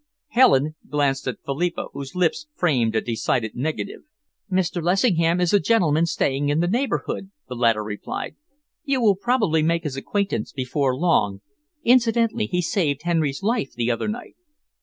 Helen glanced at Philippa, whose lips framed a decided negative. "Mr. Lessingham is a gentleman staying in the neighbourhood," the latter replied. "You will probably make his acquaintance before long. Incidentally, he saved Henry's life the other night."